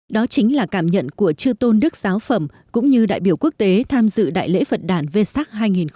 đó chính là cảm nhận của chư tôn đức giáo phẩm cũng như đại biểu quốc tế tham dự đại lễ phật đàn vê sắc hai nghìn một mươi chín